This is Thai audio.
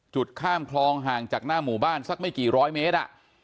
ข้ามคลองห่างจากหน้าหมู่บ้านสักไม่กี่ร้อยเมตร